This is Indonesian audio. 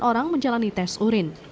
tiga orang menjalani tes urin